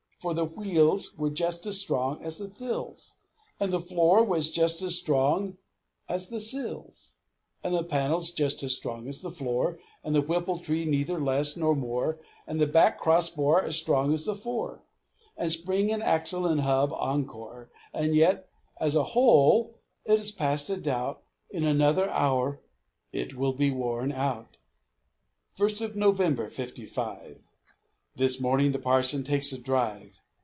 For the wheels were just as strong as the thills, And the floor was just as strong as the sills, And the panels just as strong as the floor, And the whipple tree neither less nor more, And the back crossbar as strong as the fore, And spring and axle and hub encore. And yet, as a whole, it is past a doubt In another hour it will be worn out! First of November, 'Fifty five! This morning the parson takes a drive.